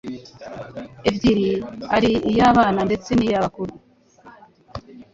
ebyiri ari iyabana ndetse niya abakuru